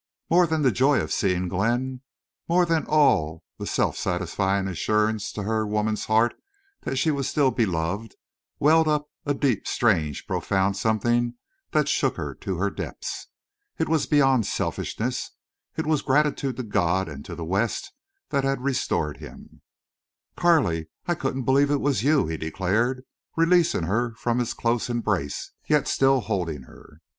More than the joy of seeing Glenn, more than the all satisfying assurance to her woman's heart that she was still beloved, welled up a deep, strange, profound something that shook her to her depths. It was beyond selfishness. It was gratitude to God and to the West that had restored him. "Carley! I couldn't believe it was you," he declared, releasing her from his close embrace, yet still holding her.